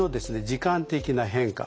時間的な変化